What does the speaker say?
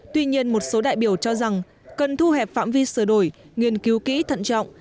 tuy nhiên một số đại biểu cho rằng cần thu hẹp phạm vi sửa đổi nghiên cứu kỹ thận trọng